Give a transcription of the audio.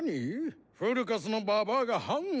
フルカスのババアが判を？